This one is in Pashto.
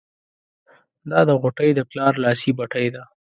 دا د غوټۍ د پلار لاسي بتۍ ده.